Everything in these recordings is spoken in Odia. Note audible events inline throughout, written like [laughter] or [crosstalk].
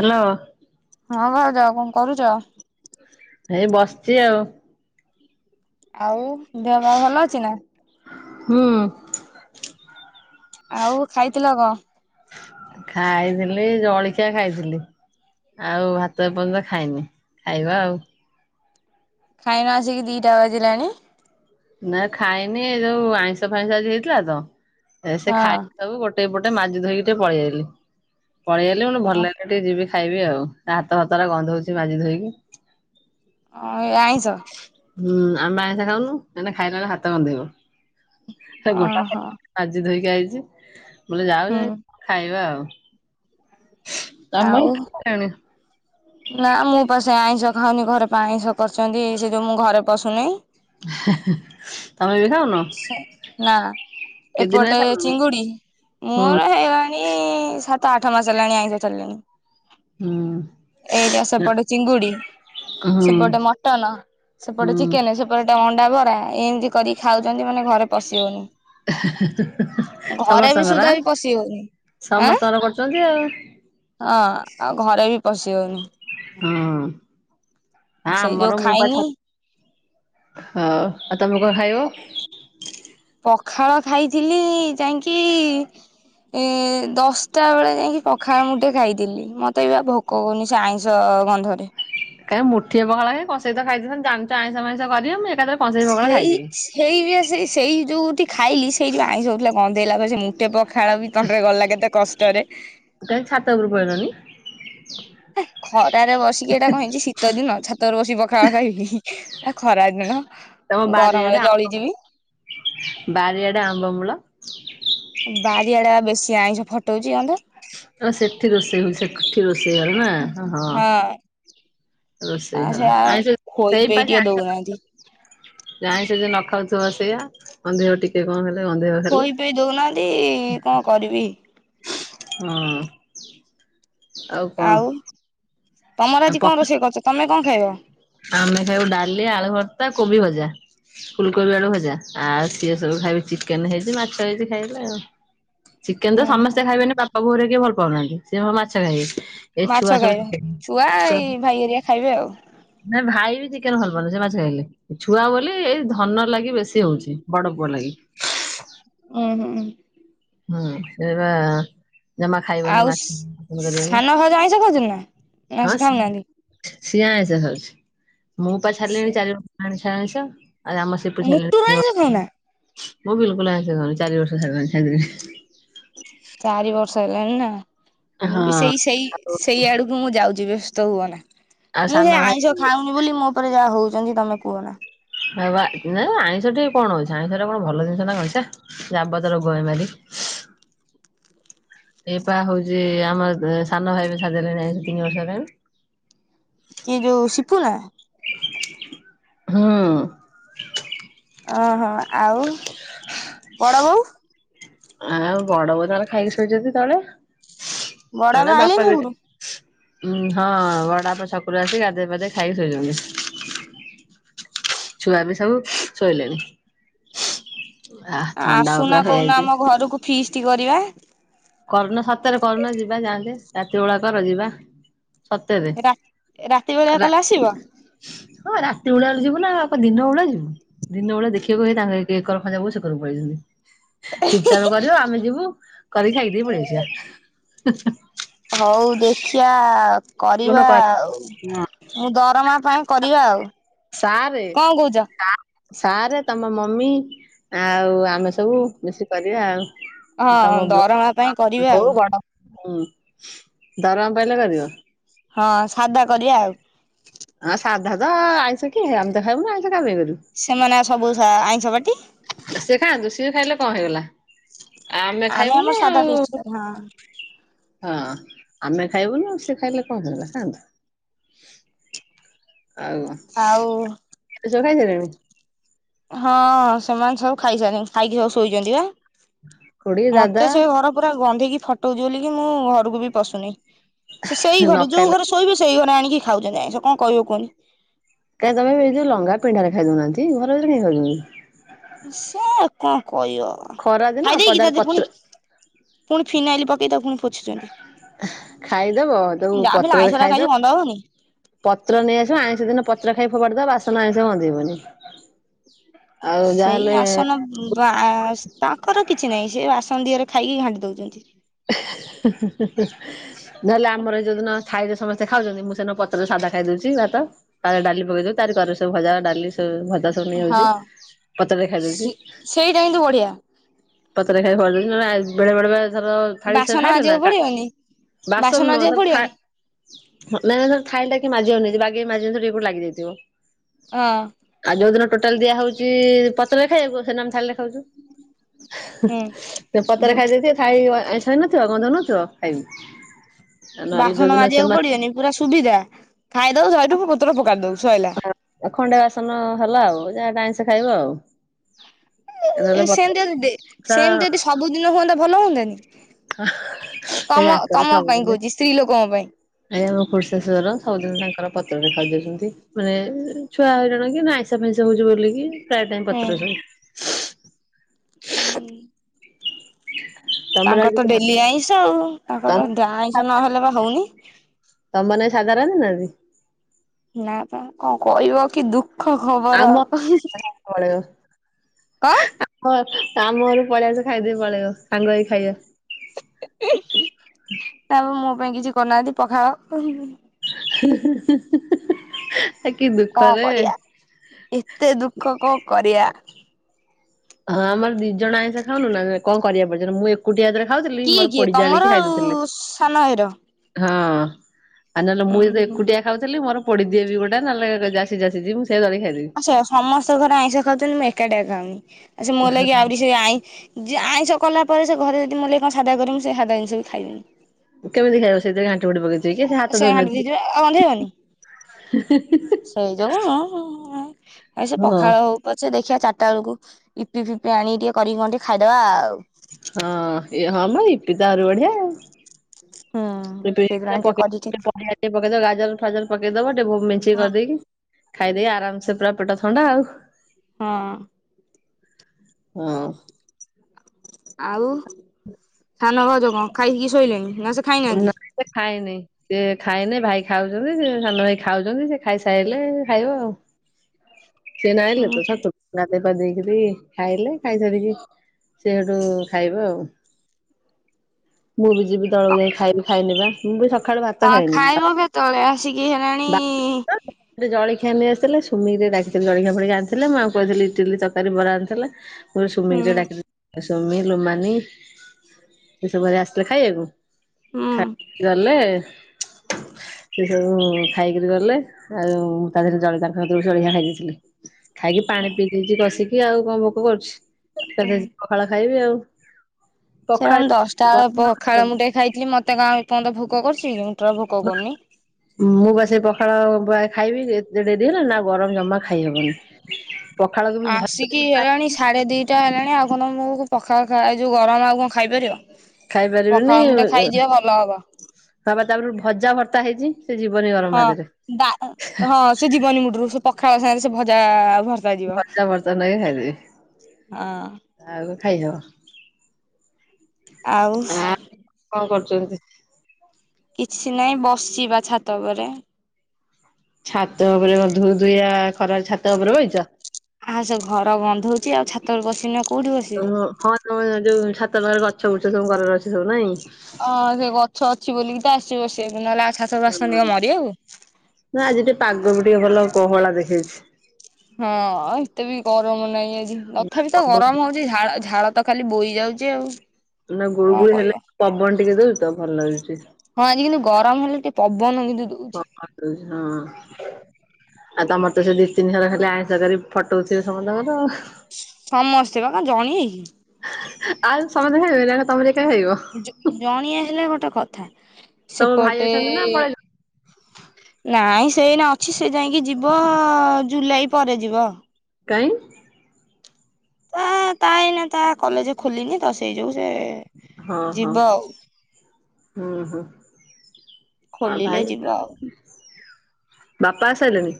ହ୍ୟାଲୋ ହଁ ଭାଉଜ କଣ କରୁଛ? ଏଇ ବସିଛି ଆଉ ଆଉ ଦେହ ପା ଭଲ ଅଛି ନା। ହୁଁ ଆଉ ଖାଇଥିଲ କଣ? ଖାଇଥିଲି ଜଳଖିଆ ଖାଇଥିଲି ଆଉ ଭାତ ଏପର୍ଯ୍ୟନ୍ତ ଖାଇନି ଖାଇବା ଆଉ ଖାଇନ ଆସିକି ଦିଟା ବାଜିଲାଣି ନା ଖାଇନି ଏ ଯୋଉ ଆଇଁଷ ଫାଇଁଷ ଆଜି ହେଇଥିଲା ତ ସେ ଖାଇ ହଁ ସବୁ ଗୋଟେ ପଟେ ମାଜିି ଧୋଇକି ଟିକେ ପଳେଇ ଆଇଲି ପଳେଇଆଲେ ମୁଣି ଭଲ ଲାଗ ଟିକେ ଯିବି ଖାଇବି ଆଉ ହାତ ଭାତ ଉରା ଗନ୍ଧଉଛି ମାଜି ଧୋଇକି ହଁ ଏ ଆଇଁସ ହୁଁ ଆମେ ଆାଇଁସ ଖାଉନୁ ଏଇନା ଖାଇଲା ବେଳେ ହାତ ବନ୍ଧେଇବ ଗୋଟା ଓହୋ ଆଜି ଧୋଇକି ଆଇଛି ବୋଇଲେ ଯାଉ ହୁଁ ଯାଇ ଖାଇବା ଆଉ ତମ ଆଉ ହଁ ଖାଇଣ ନା ମୁଁ ପସେଇ ଆଇଁଷ ଖାଉନି ଘରେ ପାଇଁ ଆଇଁଷ କରିଛନ୍ତି ସେ ଯୋଉ ମୁଁ ଘରେ ପଶୁନି ତମେ ବି ଖାଉନ ସେ ନା କେତେ ଦିନ ଏପଟେ ହେଲା ଖାଉନି ଚିଙ୍ଗୁଡି ହୁଁ ମୋର ହେଇ ମୁଁ ସାତ ଆଠ ମାସ ହେଲାଣି ଆଇଁଷ ଛାଡ଼ିଲିନି ହଁ ଏଇଟା ସେପଟେ ଚିଙ୍ଗୁଡି ହୁଁ ସେପଟେ ମଟନ ସେପଟେ ହୁଁ ଚିକେନ ସେପଟ ତାପରେଟେ ଅଣ୍ଡା ବରା ଏମିତି କରିକି ଖାଉଛନ୍ତି ମାନେ ଘରେ ପଶି ହଉନି ଘରେ ବି ସମସ୍ତଙ୍କର ସୁଧା ଆଁ ବି ପଶି ହଉନି ଆଁ ସମସ୍ତଙ୍କର କରୁଛନ୍ତି ଆଉ ହଁ ଆଉ ଘରେ ବି ପଶି ହାଉନି ହଁ ହଁ ସେଇ ଯୋଉ ମୋର ମୁଁ ପା ଖାଇନି ଛ ହଁ ଆ ତମେ କ ଖାଇବ ପଖାଳ ଖାଇଥିଲି ଯାଇକି ଏ ଦଶଟା ବେଳେ ଯାଇକି ପଖାଳ ମୁଟେ ଖାଇଥିଲି ମୋତେ ଏଆ ଭୋକ କଉନି ସେ ଆଇଁଷ ଗନ୍ଧରେ କାଇଁ ମୁଠି ବଖଳା କ ସହିତ ଖାଇଥ ଜାଣିଛ ଆଇଁସାଇଁସ କରିବ ମୁଁ ଏକାଥରେ କଂସେଇ ପଖାଳ ସେଇ ଖାଇଦେବି। ସେଇ ବି ସେ ସେଇ ଯୋଉଠି ଖାଇଲି, ସେଇଠି ବା ଆଁଇସଉଥିଲା ଗନ୍ଧେଇଲା ପରେ ସେ ମୁଁ ତେ ପକ ଖାଳ ବି ତଣ୍ଟିରେ ଗଳିଲା କେତେ କଷ୍ଟରେ। କାହିଁ ଛାତ ଉପରୁକୁ ପଲେଇଲନି। ହେଁ ଖରାରେ ବସିକି ଏଇଟା କଣ ହେଇଛି ଶୀତଦିନ ଛାତରେ ବସିକ ଗ ପଖାଳ ଖାଇବି ଖରା ଦିନ ତମ ବାରିଆଡେ ଗରମରେ ଆ ଜଳିଯିବି। ବାରିଆଡେ ଆମ୍ବମୂଳ। ବାରିଆଡେ ବା ବେଶୀ ଆଇଁଷ ଫଟୋ ଉଚି ଗନ୍ଧ। ଆ ସେଠି ରୋଷେଇ ହୋଊ ସେଠି ରୋଷେଇ ଘର ନା ହଁ। ଆ ରୋସେଇ ସେ ଘର ଆଉ ଆଇଁଷ ଖୋଇ ସେଇ ପେଇ ପାଇଁ ଟିକେ ଆ ଦଉନାହାନ୍ତି ଆଁ ଆଇଁଷ ଯେ ନ ଖାଉଥିବ ସେଇଆ ଗନ୍ଧେଇବ ଟିକେ। ତିକେ କଣ ହେଲେ ଗନ୍ଧେଇବ ଖାଲି ଖୋଇ ପେଇ ଦଉନାହାନ୍ତି କଣ କରିବି ହଁ। ଆଉ କଣ? ତମର ଆଉ ଆଜି କଣ ପଖା ରୋଷେଇ କରୁଚ ତମେ କଣ ଖାଇବ? ଆମେ ଖାଇବୁ ଡାଲି ଆଳୁ ଭର୍ତ୍ତା କୋବି ଭଜା। ଫୁଲକୋବି ଆଳୁ ଭଜା ଆଉ ସିଏ ସବୁ ଖାଇବେ ଚିକେନ୍ ହେଇଚି ମାଛ ହେଇଚି ଖାଇବେ ଆଉ। ଚିକେନ୍ ତ ଉହୁଁ ସମସ୍ତେ ଖାଇବେନି ପାପା ବୋଉରେକା କିଏ ଭଲ ପାଉନାହାନ୍ତି ସିଏ ସବୁ ମାଛ ଖାଇବେ। ଏ ମାଛ ଛୁଆ ଖାଇବ ସବୁ ଚିକେନ୍। ଛୁଆ ଏଇ ଭାଇ ହରିଆକା ଖାଇବେ ଆଉ। ନା ଭାଇ ବି ଚିକେନ୍ ଭଲ ପାଉନାନ୍ତି ସେ ମାଛ ଖାଇଲେ। ଛୁଆ ବୋଲି ଏଇ ଧନ ଲାଗି ବେଶୀ ହୋଉଚି ବଡ ପୁଅ ଲାଗି। ଉଁ ହୁଁ। ହୁଁ ସେଇବା ଜମା ଖାଇବନି ଆଉ ମାଛ ଦେନେ ସାନ ଭାଉଜ ଆଇଁଷ ଖାଉଛନ୍ତି ନା ନା ହଁ ସେ ଖାଉନାହାନ୍ତି ସେ ସିଏ ଆଇଁଷ ଖାଉଛି ମୁଁ ପା ସେ ଛାଡ଼ିଲିଣି ଚାରି ବର୍ଷ ହେଲା ଆଇଁଷ। ଆହୁରି ଆମ ସିପୁ ଛାଡି ଲାଣି ମୁଟୁରୁ ଦିଇ ଆଇଁଷ ଖାଉନା ବର୍ଷ ମୁଁ ବିଲୁକୁଲୁ ଆଇଁଷ ଖାଉନି ଚାରି ବର୍ଷ ଛାଡ ଛାଡ଼ିଲିନି। ଚାରି ବର୍ଷ ହେଲାଣି ନା ମୁଁ ହଁ। ବି ସେଇ ସେଇ ଆଉ ସେଇ ଆଡକୁ ମୁଁ ଯାଉଚି ବ୍ୟସ୍ତ ହୁଅ ନା ଆଉ ମୁଁ ସାନ ସେ ଭାଇ ଆଇଁଷ ଖାଉନି ବୋଲି ମୋ ଉପରେ ଯାହା ହୋଉଚନ୍ତି ତମେ କୁହ ନା। ଆ ବା ନାଇ ଆଇଁଷ ଠୀ କଣ ଅଛି ଆଇଁଷ ଟା କଣ ଭଲ ଜିନିଷ ନା କଣ ଛ। ଯାବତ୍ୟ ରୋଗ ବେମାରି। ଏ ପା ହୋଉଚି ଆମ ସାନ ଭାଇ ବି ଛାଡ଼ି ଦେଲାଣି ତିନି ବର୍ଷ ହେଲାଣି। କି ଯୋଉ ସିପୁୁ ନା? ହଁ। ଓହୋ ଆଉ ବଡ ବୋଉ? ଆ ବଡ ବୋଉ ତାଙ୍କର ଖାଇକି ଶୋଇଚନ୍ତି ତଳେ ବଡ ନହେଲେ ଆଇଲେଣି ବାପା ବି ସବୁଠୁ ଉ ହଁ ବଡାଆପା ଛକୁରୁ ଆସି ଗାଧୋଇ ପାଧେଇ ଖାଇକି ଶୋଇଚନ୍ତି। ଛୁଆ ବି ସବୁ ଶୋଇଲେଣି। ଆ ଥଣ୍ଡା ଆସୁନା ପୁରା କୋଉ ଦିଇନ ହେଇଯାଇଛି। ଆମ ଘରକୁ ଫିସ୍ଟି କରିବା। କରୁନ ସତରେ କରୁନ ଯିବା ଯାଆନ୍ତେ ରାତି ବେଳା କର ଯିବା। ସତରେ ରା ରାତି ବେଳିଆ ନା କଲେ ଆସିବ ହଁ ରାତି ବେଳିଆ ଯିବୁ ନା ଆ କଣ ଦିଇନ ବେଳିଆ ଯିବୁ। ଦିଇନ ବେଳେ ଦେଖିବାକୁ ହେଇ ତାଙ୍କ ଏକର ଖଞ୍ଜା ବୋଉ ସେକରକୁ ପଳେଇଚନ୍ତି। ଚୁପ୍ ଚାପ୍ କରିବ ଆମେ ଯିବୁ କରିକି ଖାଇଦେଇ ପଳେଇସିବା। ହୋଉ ଦେଖିବା କଣ କରିବା କହିଲା ଆଉ। ମୁଁ ଦରମା ପାଏ କରିବା ଆଉ। ସାରେ କଣ କହୁଛ ଆ ସାରେ ତମ ମମି ଆଉ ଆ ଆମେ ସବୁ ମିଶିକି କରିବା ଆଉ ହଁ ତମ ବୋ ଦରମା ପାଇଁ କରିବା ଆଉ ବୋଉ ବଡ଼ ହୁଁ ଦରମା ପାଇଲେ କରିବ? ହଁ ସାଧା କରିବା ଆଉ। ହଁ ସାଧା ତ ଆଇଁଷ କି? ଆମେ ତ ଖାଇବୁନୁ ଆଇଁଷ କାହା ପାଇଁ କରିବୁ? ସେମାନେ ବା ସବୁ ଆଇଁଷ ପାଟି। ସିଏ ଖାଆନ୍ତୁ, ସିଏ ଖାଇଲେ କଣ ହେଇଗଲା? ଆ ଆମେ ଆମର ଖାଇବୁନୁ ସାଧା ଫିଷ୍ଟ ଆଉ ହଁ। ହଁ, ଆମେ ଖାଇବୁନୁ, ସିଏ ଖାଇଲେ କଣ ତାର ହେଇଗଲା ଖାଆନ୍ତୁ। ଆଉ ଆଉ ସେ ସବୁ ଖାଇସାଇଲେଣି? ହଁ, ସେମାନେ ସବୁ ଖାଇସାଇଲେଣି, ଖାଇକି ସବୁ ଶୋଇଛନ୍ତି ବା। ଖୁଡି ଦାଦା ମତେ ସେ ଘର ପୁରା ଗନ୍ଧେଇକି ଫଟଉଛି ବୋଲିକି, ମୁଁ ଘରକୁ ବି ପଶୁନେଇ। ସେ ସେଇ ନ ଘରେ, ଯୋଉ ଖାଇଲେ ଘରେ ଶୋଇବେ, ସେଇ ଘରେ ଆଣିକି ଖାଉଛନ୍ତି ଆଇଁଷ। କଣ କହିବ କୁହନି? କାହିଁ ତମେ ଏବେ ଏ ଯୋଉ ଲଂଘା ପିଣ୍ଢାରେ ଖାଇ ଦଉନାହାଁନ୍ତି, ଘର ଭିତରେ କାଇଁ ଖାଉଛନ୍ତି? ସେ କଣ କହିବ? ଖରା ଦିନ ଖାଇଦେଇକି ପଦାରେ ତା ଦେହରେ ପତ୍ର ପୁଣି ପୁଣି ଫିନାଇଲ ପକେଇ ତାକୁ ଫୁଣି ପୋଛିଚନ୍ତି। ଖାଇଦବ ଯୋଉ ଯାହାବି ହେଲେ ପତ୍ରରେ ଆଇଁଷଟା ଖାଇଦବ ଖାଇଚୁ ଗନ୍ଧ ହବନି? ପତ୍ର ନେଇଆସିବ, ଆଇଁଷ ଦିନ ପତ୍ରରେ ଖାଇ ଫୋପାଡ଼ି ଦବ, ବାସନ ଆଇଁଷ ଗନ୍ଧେଇବନି। ଆଉ ଯାହାହେଲେ ବାସ ସ୍କ। ତାଙ୍କର କିଛି ନାହିଁ, ସିଏ ବାସନ ଦିହରେ ଖାଇକି ଘାଣ୍ଟି ଦଉଛନ୍ତି। ହେ-ହେ-ହେ-ହେ-ହେଁ ନହେଲେ ଆମର ଯୋଉଦିନ ଥାଇରେ ସମସ୍ତେ ଖାଉଚନ୍ତି ମୁଁସେନ ପତ୍ରରେ ସାଧା ଖାଇଦୋଉଚି ଭାତ। ତାପରେ ଡାଲି ପକେଇଦବୁ, ତାରି କରରେ ସବୁ ଭଜା, ଡାଲି ସବୁ ଭ ଜା ସବୁ ନେଇ ହଁ। ଆଉଛି, ପତ୍ରରେ ସେ ଖାଇଦଉଛି ସେଇଟା କିନ୍ତୁ ବଢ଼ିଆ। ପତ୍ରରେ ଖାଇକି ଫୋପାଡ଼ି ଦଉଚି, ନହେଲେ ଆ ବେଳେ ବେଳେ ବା ଧର ଥାଳି ସହ ବାସନ ଖାଇଲ ନା? ମାଜିବାକୁ କା ପଡିବନି ବାସନ ନୁହଁ, ମାଜିବାକୁ ତମେ ଥା ପଡିବନି ହଁ ନା ନା ଥାଳିଟା କିଏ ମାଜିବାକୁ ନେଇଚି ବାଗେଇକି ମାଜନ୍ତୁ ରିବୁ ଲାଗିଯାଇଥିବ? ଅ ଆଉ ଯୋଉ ଦିନ ଟୋଟାଲ ଦିଆ ହଉଛି ପତ୍ରରେ ଖାଇଆକୁ, ସେଦିନ ଆମେ ଥାଳିରେ ଖାଉୁଛୁ। ହୁଁ ସେ ପତ୍ରରେ ଯୋଉ ଖାଇଦେଇଥିବେ, ଥାଳି ଆଇଁଷ ହେଇନଥିବ, ଗନ୍ଧଉ ନଥିବ, ଖାଇବିନି। ବାସନ ମାଜିଆକୁ ପଡିବନି, ପୁରା ସୁବିଧା, ଖାଇଦବ ସେଉଟୁ ପତର ଫୋକାଡି ଦେବୁ ସଇଲା। ଆଉ ଖଣ୍ଡେ ବାସନ ହେଲା ଆଉ, ଯାହାଟା ଆଇଁଷ ଖାଇବ ଆଉ। ନହେଲେ ଏ ପତ୍ର ସେନ୍ତି ଯଦି ଡେ ପିଠା ସେମତି ଯଦି ସବୁଦିନ ହୁଅନ୍ତା, ଭଲ ହୁଅନ୍ତାନି? ଏଇ ତମ ତମ ପାଇଁ କହୁଛି, ସ୍ତ୍ରୀ ଲୋକଙ୍କ ପାଇଁ। ଆଜ୍ଞା, ମୋ ଖୁଡ଼ି ଶାଶୂଘର, ସବୁଦିନ ତାଙ୍କର ପତ୍ରରେ ଖାଇଦଉଛନ୍ତି। ମାନେ ଛୁଆ ହଇରାଣ କିନା ଆଇଁଷ ଫାଇଁଷ ହଉଛି ବୋଲିକି, ପ୍ରାୟ ଟାଇମ୍ ପତ୍ରରେ। ହୁଁ। ତମର ତାଙ୍କର ଆଜି ତ କଣ ଡେଲି ଆଇଁଷ ଆଉ, ତମ ତାଙ୍କର ଡା ଆଇଁଷ ନହେଲେ ବା ହଉନି। ତମ ନେଇ ସାଧା ରାନ୍ଧି ନାହାଁନ୍ତି? ନା ବା, କଣ କହିବ, କି ଦୁଃଖ୍ ଖ ଖବର? ଆମ କଣ? ଘର, ଆମ ଘରୁକୁ ପଳେଇଆସ ଖାଇଦେଇ ପଳେଇବ, ସାଙ୍ଗ ହେଇକି ଖାଇବା। ନାଇଁ ମ ମୋ ପାଇଁ କିଛି କରିନାହାଁନ୍ତି, ପଖାଳ। ହୁ ହୁ ହୁ ହୁ ହେ। କଅଁ କରିଆ, ଏତେ ଦୁଃଖ କଅଁ କରିଆ? ହଁ, ଆମର ଦି ଜଣ ଆଇଁଷ ଖାଉନୁ ନା, କଅଁ କରିଆକୁ ପଡ଼ୁଚି? ମୁଁ ଏକୁ ଏକୁଟିଆ ଯେତେବେଳେ ଖାଉଥିଲି, କିଏ ମୋର କିଏ ପୋଡି ତମର ଜାଳିକି ଆଉ ଖାଇଦଉଥିଲି। ସାନ ଭାଇର? ହଁ ଆଉ ନହେଲେ ଉଁ ମୁଁ ହୁଁ। ଏକୁଟିଆ ଖାଉଥିଲି, ମୋର ପୋଡ଼ିଦିଏ ବି ଗୋଟେ, ନହେଲେ ଯାହା ସିଝା ସିଜି ମୁଁ ସେୟାକୁ ଦଳିକି ଖାଇଦେବି। ହଁ ସେୟା, ସମସ୍ତଙ୍କ ଘରେ ଆଇଁଷ ଖାଉଛନ୍ତି, ମୁଁ ଏକାଟିଆ ଖାଉନି। ଆଉ ସେ ମୋ ଲାଗି ଆହୁରି ସେ ଆଇଁ ଯିଏ ଆଇଁଷ କଲା ପରେ ସେ ଘରେ ଯଦି ମୋଲାକି କଣ ସାଧା କରିବେ, ମୁଁ ସେ ସାଧା ଜିନିଷ ବି ଖାଇବନି। କେମିତି ଖାଇବ ସେଇଥିରେ ଘାଣ୍ଟି ଘୁଣ୍ଟି ପକେ ସେ ଘାଣ୍ଟି ଦେଇଥିବେ, ଆଉ ଗନ୍ଧେଇବନି। [unintelligible] ସେଇ ଯୋଗୁ ଉଁ ଉଁ ଉଁ ଆଇ ସେ ହଁ ପଖାଳ ହଉ ପଛେ ଦେଖିଆ ଚାଟା ବେଳକୁ ଇପି ଫିପି ଆଣି ଟିକେ କରିକି କଣ ଟିକେ ଖାଇଦବା ଆଉ। ହଁ ହଁ ମ ଇପି ତ ଆହୁରି ବଢିଆ। ହୁଁ [unintelligible] ସେଇଥିରୁ ଟିକେ ଆଣି କରିକି ପକେଇଦବ ଗାଜର ଫାଜର ପକେଇଦବ ଟିକେ ମିଞ୍ଚେଇ ହୁଁ କରିଦେଇକି ଖାଇଦେଇ ଆରାମସେ ପୁରା ପେଟ ଥଣ୍ଡା ଆଉ। ହଁ। ଆଉ। ଆଉ ସାନ ଭାଉଜ କଁ ଖାଇକି ଶୋଇଲେଣି ନା ସେ ଖାଇନାହାନ୍ତି? [unintelligible] ଖାଇନେଇ। ସେ ଖାଇନେଇ ଭାଇ ଖାଉଛନ୍ତି, ସେ ସାନ ଭାଇ ଖାଉଛନ୍ତି ସେ ଖାଇ ସାଇଲେ ଖାଇବ। [unintelligible] ସିଏ ଏନା ଉଁ ଆଇଲେ ତ ହୁଁ ଶାଶୁ ଗାଦେଇ ପାଦେଇକିରି ଖାଇଲେ, ଖାଇସାରିକି ସେ ହେଟୁ ଖାଇବେ ଆଉ ମୁଁ ବି ଯିବି ତଳକୁ ଯାଇ ଖାଇବି ଖାଇନି ବା ମୁଁ ବି ସକାଳୁ ଭା କଁ ଖାଇବ କେତେବେଳେ ଆସିକି ହେଲାଣି ସେ ଜଳଖିଆ ନେଇ ଆସିଥିଲେ ସୁମି କି ଟିକେ ଡାକିଥିଲି ଜଳଖିଆ ଫଳିକିଆ ଆଣିଥିଲେ ମୁଁ ଆଙ୍କୁ କହିଥିଲି ଇଟିଲି ତକାରୀ ବରା ଆଣିଥିଲେ। ମୁଁ ହୁଁ ସୁମିକି ଡାକି ସୁମି ଲୋମାନି ଏସବୁ ଏଗା ଆସଥିଲେ ଖାଇବାକୁ। ହୁଁ। ଖାଇକି ଗଲେ ସେ ସବୁ ଖାଇକିରି ଗଲେ। ଆଉ ତା ଦେହରେ ଜଳିଖା ଖାଉଥିଲୁ, ଜଳଖିଆ ଖାଇ ଦେଇଥିଲି। ଖାଇକି ପାଣି ପିଇ ଦେଇଛି କଷିକି ଆଉ କଣ ଭୋକ କରୁଛି, ଏକାଥରେ ପଖାଳ ଖାଇବି ଆଉ। ସେଇ ପା ପଖାଳ ମୁଁ ଦଶଟା ବେଳେ ପଖାଳ ମୁଟେ ଖାଇଥିଲି ମତେ କାଁ ଏ ପର୍ଯ୍ୟନ୍ତ ଭୋଗ କରୁଛିିକି ମୁଁଟା ଭୋଗ କରୁନି। ମୁଁ ବା ସେ ପଖାଳ ବ ଖାଇବି ଏତେ ଡେରି ହେଲାଣି ନା ଗରମ ଜମା ଖାଇହବନି। ପଖାଳକୁ ବି ଆ ଶିକ କି ଭଜା ହେଲାଣି ସାଢେ ଦିଟା ହେଲାଣି ଆଉ କଣ ତମକୁ ପଖା ଖା ଏ ଯୋଉ ଗରମ ଆଉ କଁ ଖାଇପାରିବ। ପଖାଳ ମୁଟେ ଖାଇଯିବ ଭଲ ହବ। ତାପ ତାପରେ ଭଜା ଭର୍ତ୍ତା ହେଇଛି ସେ ଜୀବନୀ ଗରମ ହଁ ଭାତ ରେ। ଡା ହଁ ସେ ଜୀବନି ମୁଡରୁ ସେ ପଖାଳ ସାଙ୍ଗରେ ସେ ଭଜା ଭର ଭର୍ଚା ବରଯା ନଗେଇ ହଁ। ଖାଇଦେବି ଆଉ ଖାଇହବ। ଆଉ। କଁ କରୁଚନ୍ତି? କିଛି ନାଇଁ ବସଚି ବା ଛାତ ଉପରେ। ଛାତ ଉପରେ ଉଧୁ ଉଧୁଇଆ ଖରା ଛାତ ଉପରେ ବଇଚ। ଆ ସେ ଘର ଗନ୍ଧ ଉଚି, ଆଉ ଛାତ ଉପରେ ବସିନି ଆଉ କୋଉଠି ବସିବି। ହଁ ତମ ଯୋଉ ଛାତ ପାଖରେ ଗଛ ବୁଛ ସବୁ କରରେ ଅଛି ସବୁ ନାଇଁ। ହଁ ସେ ଗ ଛ ଅଛି ବୋଲିକି ତ ଆସିଚି ବସିବାକୁ ନଲେ ଆ ଛା ନା ଆଜି ଟିକେ ପାଗ ବି ଟିକେ ଭଲ ଗହଳା ଦେଖେଇଛି। ହଁ ଆଉ ଏତେ ବି ଗରମ ନାଇଁ ଆଜି ତଥାପି ତ ପବନ ଗରମ ହ ଉଛି, ଝାଳ ଝାଳ ତ ଖାଲି ବୋହି ଯାଉଛି ଆଉ। ନା ଗୁଳୁ କଣ ଗୁଳି ହେଲେ କହିବ ପବନ ଟିକେ ଦଉଛି ତ ଭଲ ଲାଗୁଚି ଟିକେ। ହଁ ଆଜି କିନ୍ତୁ ଗରମ ହେଲେ ଟି ପବନ କିନ୍ତୁ ଦ [unintelligible] ହ ହଁ ଆଉ ତମର ତ ସେ ଦି ତିନିଶର ଖାଲି ଆଇଁଷ କରି ଫଟଉଥିବେ ସମସ୍ତଙ୍କର ସମସ୍ତେ ପା କ ଜଣିଏକି। ଆଉ ସମସ୍ତେ ଖାଇ [unintelligible] ତମରି ଏକା ଖାଇବ ଜ ଜଣିଏ ହେଲେ ଗୋଟେ କଥା ତମ ଭାଇ ସେପଟେ ଅଛନ୍ତି ନା ପଳେଇ ନାଇଁ ସେଇନା ଅଛି ସେ ଯାଇଁକି ଯିବ ଜୁଲାଇ ପରେ ଯିବ। କାଇଁ? ତାଇନା ତା କଲେଜ ଖୁଲିନି ତ ସେଇ ଯୋଗୁ ସେ ହଁ ହଁ ଯିବ ଆଉ। ହୁଁ ହୁଁ। ହଁ ଖୋଲିଲେ ଭାଇ ଯିବ ଆଉ। ବାପା ଆସସାଇଲେଣି।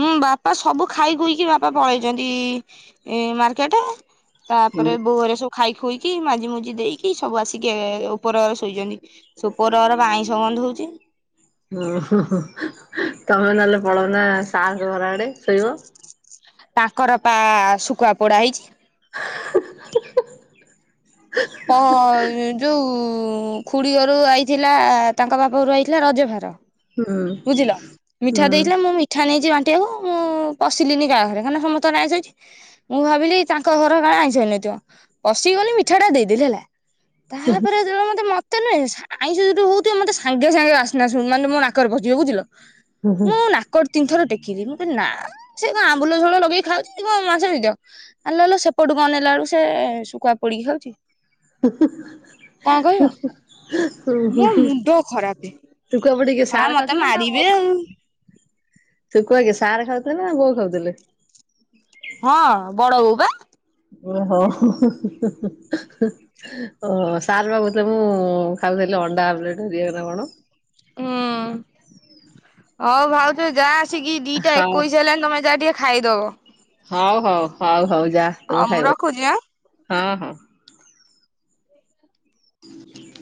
ହୁଁ ବାପା ସବୁ ଖାଇକଖୁଇକି ବାପା ପଳେଇଛନ୍ତି ଏ ମାର୍କେଟେ। ହୁଁ ତାପରେ ବୋଉ ଆରିଆ ସବୁ ଖାଇ ଖୁଇକି ମାଜି ମୁଜି ଦେଇକି ସବୁ ଆସିକି ଏ ଉପର ଶୋଇଛନ୍ତି। ସୁପରର ପା ଆଇଁଷ ଗନ୍ଧଉଚି। ଓ ହୋ ହୋ ତମେ ନହେଲେ ପଳ ନା ସାସ ଘର ଆଡେ ଶୋଇବ। ତାଙ୍କର ପା ଶୁଖୁଆ ପୋଡା ହେଇଛି। ହା ଅ ଯୋଉ। ଖୁଡ଼ିଘରୁ ଆଇଥିଲା ତାଙ୍କ ବାପଘରୁ ଆଇଥିଲା ରଜଭାର। ହୁଁ ବୁଝିଲ ମିଠା ଦେଇଥିଲେ ହୁଁ ମୁଁ ମି ଠା ନେଇଛି ବାଣ୍ଟିଆକୁ ମୁଁ ପଶିଲିନି ଗା ଘରେ କାହନା ସମସ୍ତ ର ଆଇଁଷ ହେଇଛି। ମୁଁ ଭାବିଲି ତାଙ୍କ ଘର କାଳେ ଆଇଁଷ ହେଇନଥିବ ପଶି ଗଲି ମିଠା ଟା ଦେଇଦେଲି ହେଲା। ତାପରେ ଯେ ବେଳେ ମତେ ମୋତେ ନୁହେଁ ସ ଆ ଆ ଆଇଁଷ ଯଦି ହଉଥିବ ମତେ ସାଙ୍ଗେ ସାଙ୍ଗେ ବାସ୍ନା ସୁ ମାନେ ମୋ ନା କରେ ପସଯିବ ବୁଝିଲ ମୁଁ ନା ନାକ ତିନିଥର ଟେକିବି ମୁଁ କହିଲି ନା ସେ ତ ଆମ୍ୱୁଲ ଝୋଳ ଲଗେଇ ଖାଉଛି ବ ମାଛ ନେଇଥିବ। ଆଲୋ ଆଲୋ ସେପଟୁକୁ ଅନେଇଲା ବେଳକୁ ସେ ଶୁଖୁଆ ପୋଡିକି ଖାଉଛି। ହୁଁ କଣ କହିବ? ମୋ ହୁଁ ହୁଁ ମୁଣ୍ଡ ଖରାପେ ଶୁକୁଆ ପୋଡ଼ିକି ଶଳା ସାର ମତେ ଖାଉୁଛନ୍ତି ନା ମାରିବେ ମ ଆଉ। ଶୁଖୁଆ କିଏ ସାର ଖାଉଥିଲେ ନା ବୋଉ ଖାଉଥିଲେ? ହଁ ବଡ ବୋଉ ପା। ଓ ହୋ। ଓହ ସାର ବା କହୁଥିଲେ ମୁଁ ଖାଉଥିଲି ଅଣ୍ଡା ଆମଲେଟ ହେରିକା ନା କଣ। ହୁଁ ହଉ ଭାଉଜ ଯାଆ ଚିକିି ଦିଇଟା ହଉ ଏକୋଇିଶ ହେଲାନି ତମେ ଯାଅ ଟିକେ ଖାଇଦବ। ହଉ ହଉ ହଉ ହଉ ଯା ଅ ତମେ ମୁଁ ଖାଇବ ରଖୁଛି ଆଁ। ହଁ ହଁ। [inaudible]